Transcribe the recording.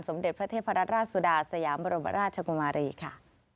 เด็จพระเทพรัตราชสุดาสยามบรมราชกุมารีค่ะ